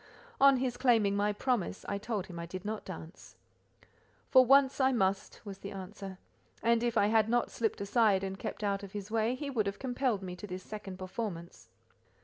On his claiming my promise, I told him I did not dance. "For once I must," was the answer; and if I had not slipped aside and kept out of his way, he would have compelled me to this second performance.